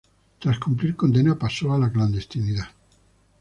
Tras cumplir condena, pasó a la clandestinidad.